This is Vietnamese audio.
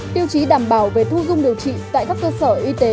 tiêu chí đảm bảo về thu dung điều trị tại các cơ sở y tế